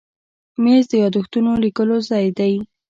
مېز د یاداښتونو لیکلو ځای دی.